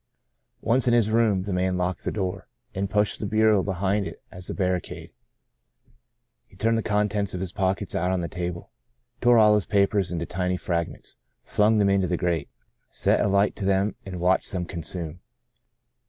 Once in his room, the man locked the door, and pushed the bureau behind it as a barri 86 Saved to Serve 87 cade. He turned the contents of his pockets out on the table, tore all his papers into tiny fragments, flung them into the grate, set a light to them, and watched them consume.